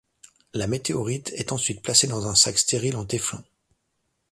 La météorite est ensuite placée dans un sac stérile en Téflon.